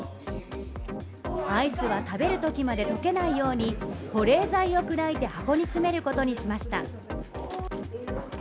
アイスは食べるときまで溶けないように保冷剤を砕いて箱に詰めることにしました。